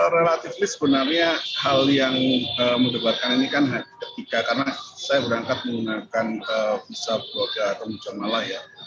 relatifnya sebenarnya hal yang mendebatkan ini kan ketika karena saya berangkat menggunakan pisau beroda atau musyamalah ya